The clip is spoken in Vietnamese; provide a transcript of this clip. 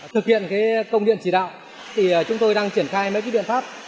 thực hiện công điện chỉ đạo chúng tôi đang triển khai mấy biện pháp